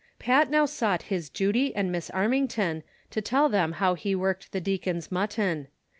Pat novr sought his Judy and Miss Armington, to tell them how he worked the deacon's mutton.